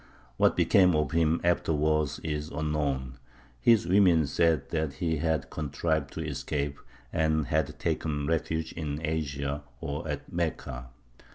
What became of him afterwards is unknown. His women said that he had contrived to escape, and had taken refuge in Asia, or at Mekka.